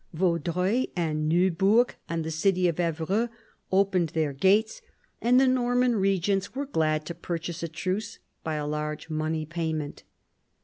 Vaudreuil and Neubourg and the city of Evreux opened their gates, and the Norman regents were glad to purchase a truce by a large money payment.